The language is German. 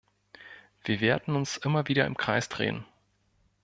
Wir werden uns immer wieder im Kreis drehen.